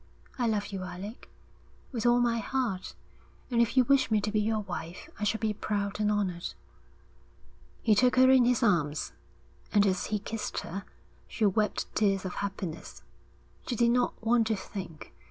I love you, Alec, with all my heart, and if you wish me to be your wife I shall be proud and honoured.' He took her in his arms, and as he kissed her, she wept tears of happiness. She did not want to think.